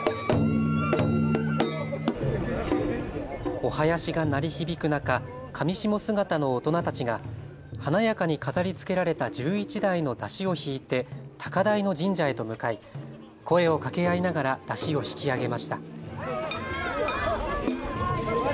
お囃子が鳴り響く中、かみしも姿の大人たちが華やかに飾られつけられた１１台の山車を引いて高台の神社へと向かい声をかけ合いながら山車を引き上げました。